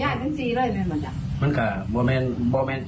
อยู่สิมหาวะยาดแม่ชมพู่ค่ะนี่มันเบาเทิกค่ะ